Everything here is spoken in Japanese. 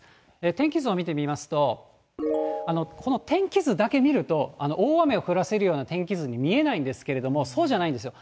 天気図を見てみますと、この天気図だけ見ると、大雨を降らせるような天気図に見えないんですけれども、そうじゃないんですよ。